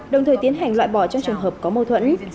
đồng thời tiến hành loại bỏ trong trường hợp có mâu thuẫn